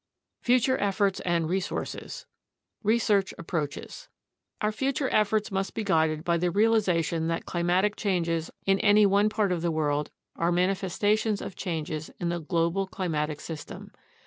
FUTURE EFFORTS AND RESOURCES Research Approaches Our future efforts must be guided by the realization that climatic changes in any one part of the world are manifestations of changes in the global climatic system.